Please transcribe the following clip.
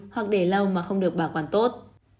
hoặc để lâu mà không được bảo quản tốt